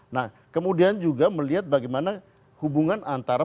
nah kemudian juga melihat bagaimana hubungan antara